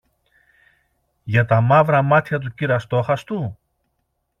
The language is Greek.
Για τα μαύρα μάτια του κυρ-Αστόχαστου;